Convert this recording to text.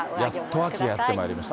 やっと秋がやってまいりました。